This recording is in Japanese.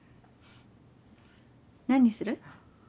何にする？